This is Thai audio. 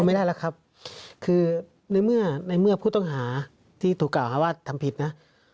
ไม่ได้แล้วครับคือในเมื่อในเมื่อผู้ต้องหาที่ถูกกล่าวหาว่าทำผิดนะ